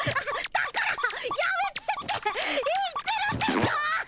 だからやめてって言ってるでしょ！